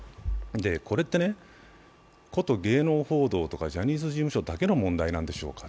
これって、こと芸能報道とかジャニーズ事務所だけの問題なんでしょうか。